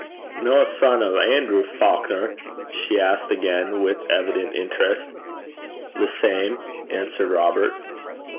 'No a son o' Anerew Faukner?' she asked again, with evident interest. 'The same,' answered Robert.